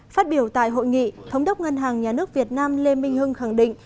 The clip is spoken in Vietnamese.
phát biểu tại hội nghị thống đốc ngân hàng nhà nước việt nam lê minh hưng khẳng định